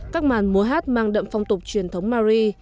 các màn múa hát mang đậm phong tục truyền thống mari